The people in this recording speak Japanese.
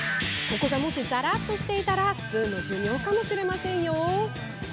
ここがもし、ざらっとしていたらスプーンの寿命かもしれませんよ。